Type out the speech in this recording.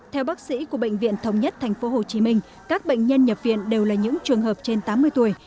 theo bác sĩ của bệnh viện thống nhất thành phố hồ chí minh các bệnh nhân nhập viện đều là những trường hợp trên tám mươi tuổi